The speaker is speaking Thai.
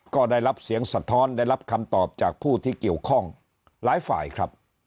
ก็ได้รับเสียงสะท้อนได้รับคำตอบจากผู้ที่เกี่ยวข้องหลายฝ่ายครับ